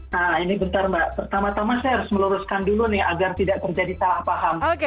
nah ini bentar mbak pertama tama saya harus meluruskan dulu nih agar tidak terjadi salah paham